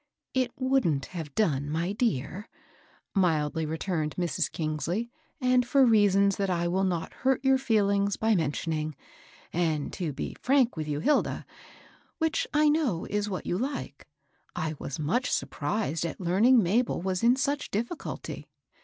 It wouldn't have done, my dear," mildly re turned Mrs. Kingsley, '* and for reasons that I will not hurt your feelings by mentioning. And, to be frank with you, Hilda, — which I know is what you like, — I was much surprised at learning Ma bel was in such diflSculty.